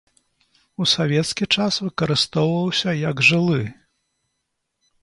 У савецкі час выкарыстоўваўся як жылы.